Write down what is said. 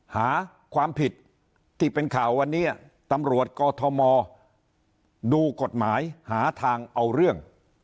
หาความผิดที่เป็นข่าววันนี้ตำรวจกอทมดูกฎหมายหาทางเอาเรื่อง